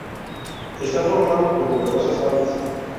Está formado por numerosas tablas.